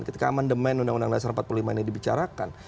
ketika amandemen undang undang dasar empat puluh lima ini dibicarakan